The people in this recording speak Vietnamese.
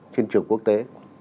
trên trường quốc tế